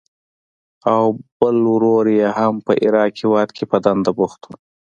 او بل ورور یې هم په عراق هېواد کې په دنده بوخت و.